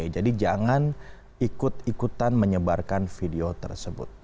jadi jangan ikut ikutan menyebarkan video tersebut